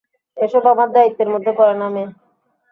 এসব আমার দায়িত্বের মধ্যে পড়ে না, মে।